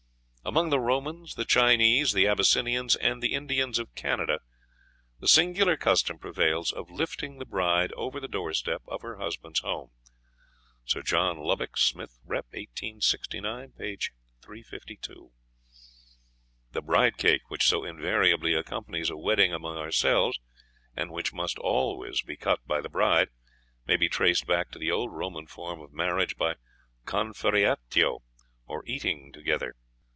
Among the Romans, the Chinese, the Abyssinians, and the Indians of Canada the singular custom prevails of lifting the bride over the door step of her husband's home. (Sir John Lubbock, "Smith. Rep.," 1869, p. 352.) "The bride cake which so invariably accompanies a wedding among ourselves, and which must always be cut by the bride, may be traced back to the old Roman form of marriage by 'conferreatio,' or eating together.